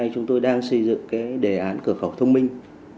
chúng tôi đang xây dựng đề án cửa khẩu thông minh